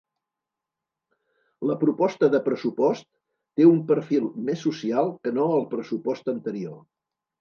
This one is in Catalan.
La proposta de pressupost té un perfil més social que no el pressupost anterior.